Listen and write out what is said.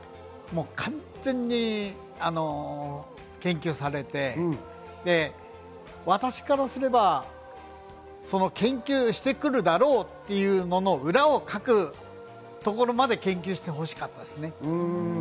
完全に研究されて、私からすれば研究してくるだろうというものの裏をかくところまで研究してほしかったです。